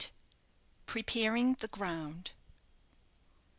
PREPARING THE GROUND.